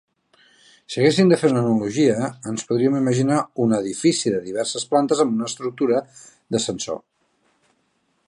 Si haguéssim de fer una analogia, ens podríem imaginar un edifici de diverses plantes amb una estructura d'ascensor.